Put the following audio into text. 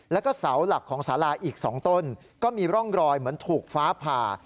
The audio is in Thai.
แล้วก็เสาหลักของสาราอีก๒ต้นก็มีร่องรอยเหมือนถูกฟ้าผ่า